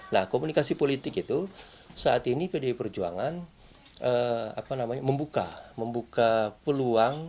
nah komunikasi politik itu saat ini pdi perjuangan membuka peluang